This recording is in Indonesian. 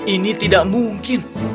ini tidak mungkin